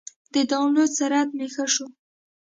د ډاونلوډ سرعت مې ښه شو.